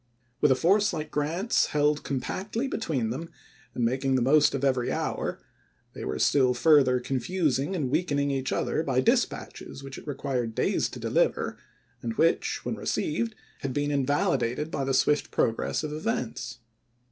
With a force like Grant's held compactly between them and making the most of every hour, they were still further confusing and weakening each other by dispatches which it required days to deliver and which, when received, had been invali dated by the swift progress of events.